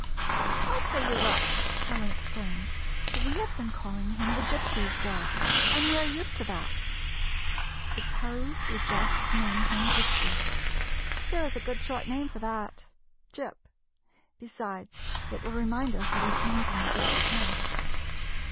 "I 'll tell you what," Helen exclaimed, "we have been calling him 'the. Gypsy's dog,' and we are used to that. Suppose we just name him 'Gypsy.' There is a good, short name for that — m 67 GYPSY, THE TALKING DOG Gyp. Besides, it will remind us that he came from the Gypsy camp.